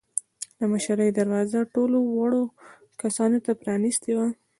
د مشرۍ دروازه ټولو وړو کسانو ته پرانیستې وه.